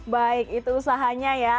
baik itu usahanya ya